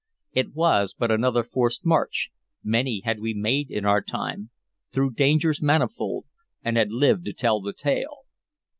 It was but another forced march; many had we made in our time, through dangers manifold, and had lived to tell the tale.